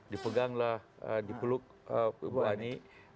dipeganglah dipeluk ibu ani